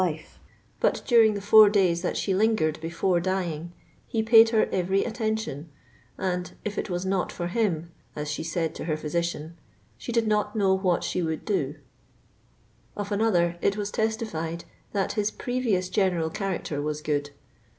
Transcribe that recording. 43 hm wife, but during the four days that she lingered before dying, «« he paid her erery attention,'' and *^ if it was not for htm,"— «e she said to her phyncian*— ^* she did not know what she would do/' Of another it was testified that ^ his previous general cha* racter was good."